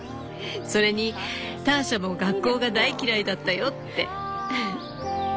それに「ターシャも学校が大嫌いだったよ」って。